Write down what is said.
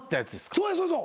そうやそうそう。